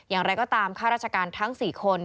อย่างไรก็ตามข้าราชการทั้ง๔คน